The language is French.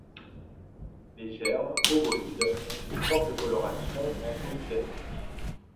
Les germes, ovoïdes, ont une forte coloration anthocyanique.